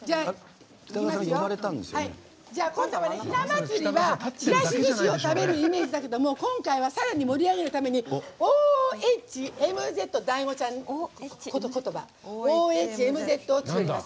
今度はひな祭りはちらしずしを食べるイメージだけど今回は、さらに盛り上げるためにＤＡＩＧＯちゃん言葉「ＯＨＭＺ」を作ります。